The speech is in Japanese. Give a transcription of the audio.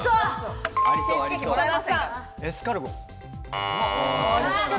エスカルゴ。